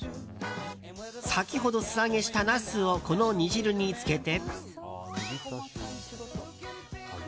先ほど素揚げしたナスをこの煮汁に漬けて。